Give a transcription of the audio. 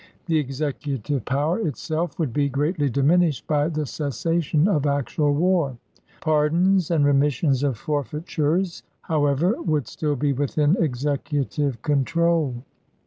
The Executive power BLAIR'S MEXICAN PROJECT 93 itself would be greatly diminished by the cessation of chap. v. actual war. Pardons and remissions of forfeitures, how ever, would still be within Executive control.